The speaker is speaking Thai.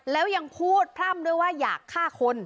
แล้วยังพูดพร่ำด้วยว่าอยากฆ่าคน